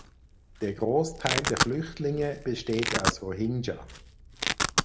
Der Großteil der Flüchtlinge besteht aus Rohingya.